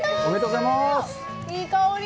いい香り。